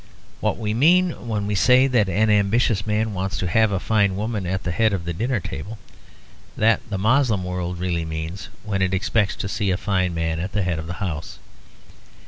What we mean when we say that an ambitious man wants to have a fine woman at the head of the dinner table, that the Moslem world really means when it expects to see a fine man at the head of the house.